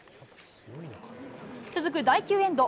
続く第９エンド、